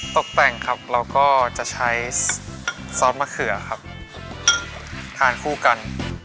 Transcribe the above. ตกแต่งครับเราก็จะใช้ซอสมะเขือครับทานคู่กัน